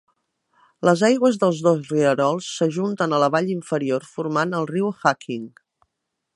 Les aigües dels dos rierols s'ajunten a la vall inferior, formant el riu Hacking.